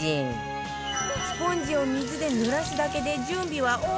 スポンジを水で濡らすだけで準備はオーケー